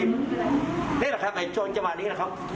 นี่แหละครับไอ้โจรจะมานี้นะครับ